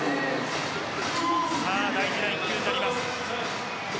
大事な１球になります。